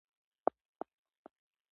که کار ونکړي، ستونزې به یې نه ختمیږي.